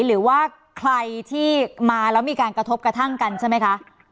หรือว่าใครที่มาแล้วมีการกระทบกระทั่งกันใช่ไหมคะ